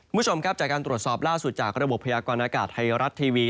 คุณผู้ชมครับจากการตรวจสอบล่าสุดจากระบบพยากรณากาศไทยรัฐทีวี